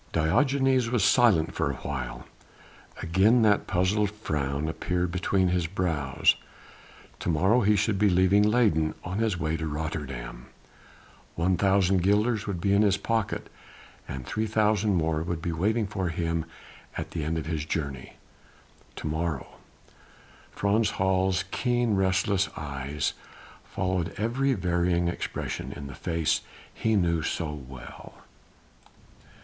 Diogenes was silent for awhile. Again that puzzled frown appeared between his brows. To morrow he should be leaving Leyden on his way to Rotterdam; 1,000 guilders would be in his pocket, and 3,000 more would be waiting for him at the end of his journey.... To morrow!... Frans Hals' keen, restless eyes followed every varying expression in the face he knew so well.